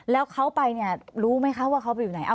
แล้วเขาไปเนี่ยรู้ไหมคะว่าเขาไปอยู่ไหน